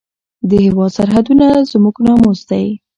د هېواد سرحدونه زموږ ناموس دی.